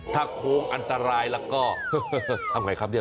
ถ้าโค้งอันตรายแล้วก็ทำไงครับเนี่ย